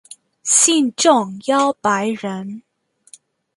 信众约百人。